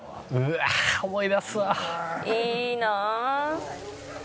いいなあ。